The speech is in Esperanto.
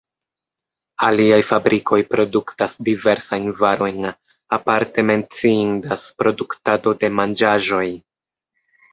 Aliaj fabrikoj produktas diversajn varojn, aparte menciindas produktado de manĝaĵoj.